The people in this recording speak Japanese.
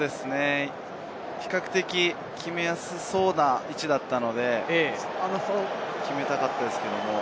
比較的決めやすそうな位置だったので決めたかったですけれど。